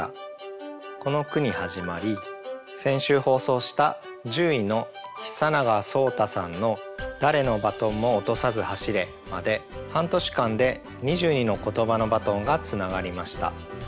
この句に始まり先週放送した獣医の久永草太さんの「誰のバトンも落とさず走れ」まで半年間で２２の「ことばのバトン」がつながりました。